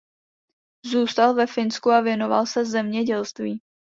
Zůstal ve Finsku a věnoval se zemědělství.